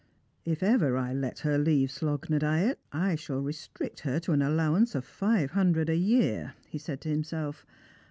" If ever I let her leave Slogh na Dyack, I shall restrict her to an allowance of five hundred a year," he said to himself.